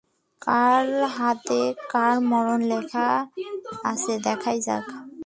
কার হাতে কার মরণ লেখা আছে দেখাই যাক!